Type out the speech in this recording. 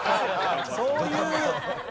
そういう。